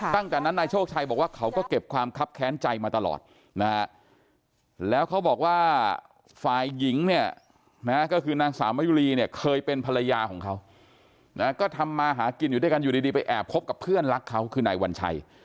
ตั้งแต่นั้นนายโชคชัยบอกว่าเขาก็เก็บความคับแค้นใจมาตลอดนะฮะแล้วเขาบอกว่าฝ่ายหญิงเนี่ยนะก็คือนางสาวมะยุรีเนี่ยเคยเป็นภรรยาของเขาก็ทำมาหากินอยู่ด้วยกันอยู่ดีไปแอบคบกับเพื่อนรักเขาคือนายวัญชัย